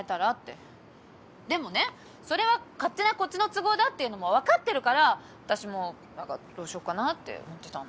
でもねそれは勝手なこっちの都合だっていうのもわかってるから私もなんかどうしようかなって思ってた。